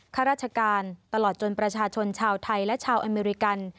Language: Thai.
ข้าราชการตลอดจนประชาชนชาวไทยและชาวอเมริกัน